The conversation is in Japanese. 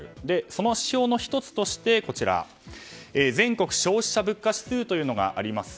その指標の１つとして全国消費者物価指数があります。